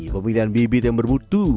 pemilihan bibit yang berbutu